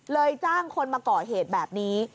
จ้างคนมาก่อเหตุแบบนี้